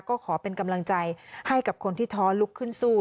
ก็ขอเป็นกำลังใจให้กับคนที่ท้อลุกขึ้นสู้